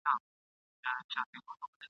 له پلرونو له نیکونو تعویذګر یم ..